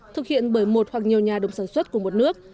thực hiện bởi một hoặc nhiều nhà đồng sản xuất của một nước